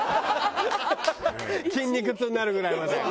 筋肉痛になるぐらいまで１２。